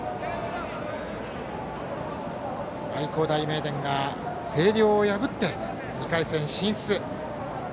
愛工大名電が星稜を破って２回戦進出。